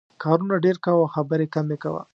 کارونه ډېر کوه او خبرې کمې کوه.